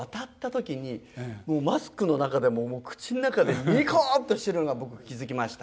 マスクの中で口の中でニコッとしてるのが僕気付きました。